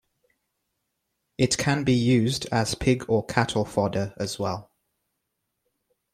It can be used as pig or cattle fodder, as well.